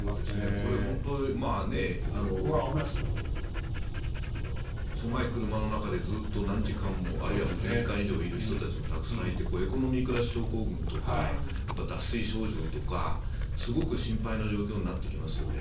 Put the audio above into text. これ本当、狭い車の中でずっと何時間もあるいは１０時間以上いる人もたくさんいてエコノミークラス症候群とか脱水症状とかすごく心配な状況になってきますよね。